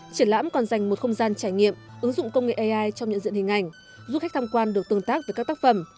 triển lãm còn dành một không gian trải nghiệm ứng dụng công nghệ ai trong nhận diện hình ảnh giúp khách tham quan được tương tác với các tác phẩm